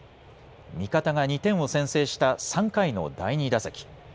味方が２点を先制した３回の第２打席。